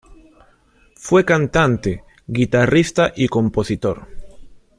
Fue cantante, guitarrista y compositor.